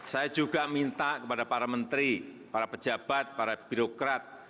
saya juga minta kepada para menteri para pejabat para birokrat